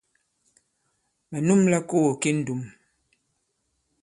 Mɛ̀ nûmla kogo ki ndùm.